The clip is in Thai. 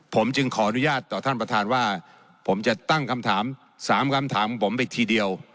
ผมจึงขออนุญาตต่อท่านประธานว่าผมจะตั้งคำถาม๓คำถามของผมไปทีเดียว